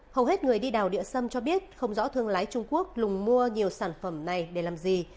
hầu hết người đi đào địa sâm cho biết không rõ thương lái trung quốc lùng mua nhiều sản phẩm này để làm gì